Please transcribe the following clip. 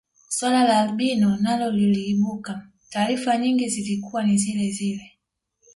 Swala la albino nalo lilipoibuka taarifa nyingi zilikuwa ni zilezile